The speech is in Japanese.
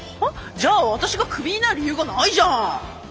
じゃあ私がクビになる理由がないじゃん！